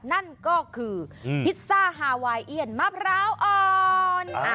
นั่นก็คือพิซซ่าฮาไวนเอียนมะพร้าวอ่อน